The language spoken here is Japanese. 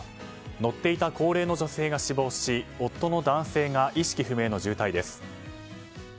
乗っていた高齢の女性が死亡し夫の男性が意識不明の重体です。